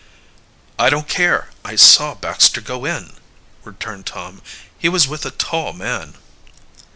"I don't care I saw Baxter go in," returned Tom. "He was with a tall man."